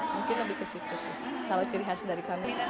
mungkin lebih kesitu sih salah ciri khas dari kami